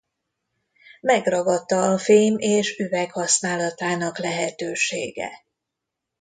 Megragadta a fém és üveg használatának lehetősége.